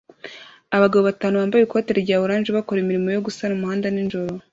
Abagabo batanu bambaye ikoti rya orange bakora imirimo yo gusana umuhanda nijoro